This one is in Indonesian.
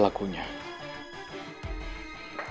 dia nggak akan aku maafkan